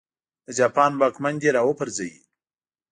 د جاپان واکمن دې را وپرځوي.